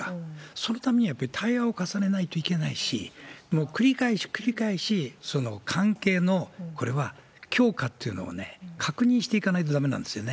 そのためにはやっぱり対話を重ねないといけないし、もう繰り返し、繰り返し、関係の強化というのをね、確認していかないとだめなんですよね。